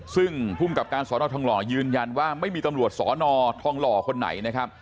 ซึ่งภูมิกับการสอนอทองหล่อยืนยันว่าไม่มีตำรวจสอนอทองหล่อคนไหนนะครับ